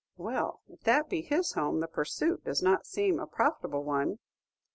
"Well, if that be his home, the pursuit does not seem a profitable one."